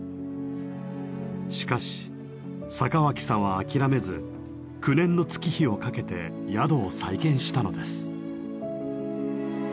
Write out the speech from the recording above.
しかし坂脇さんは諦めず９年の月日をかけて宿を再建したのです。